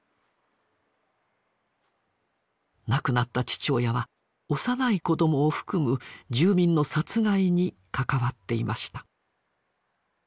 亡くなった父親は幼い子どもを含む住民の殺害に関わっていました。